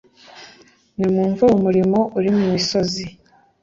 Nimwumve uwo muririmo uri mu misozi,